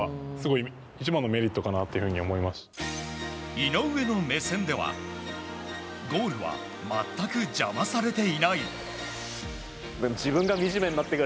井上の目線ではゴールは全く邪魔されていない。